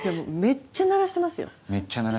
めっちゃ鳴らしてますね。